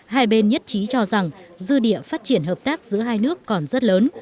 hai bên nhất trí cho rằng dư địa phát triển hợp tác giữa hai nước còn rất lớn